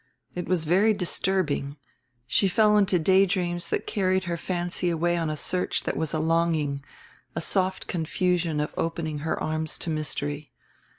It was very disturbing she fell into daydreams that carried her fancy away on a search that was a longing, a soft confusion of opening her arms to mystery.